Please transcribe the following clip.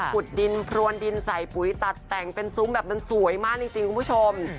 ขุดดินพรวนดินใส่ปุ๋ยตัดแต่งเป็นซุ้มแบบมันสวยมากจริงคุณผู้ชม